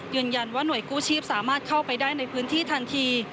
หน่วยกู้ชีพสามารถเข้าไปได้ในพื้นที่ทันที